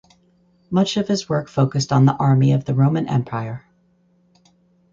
Much of his work focused on the Army of the Roman Empire.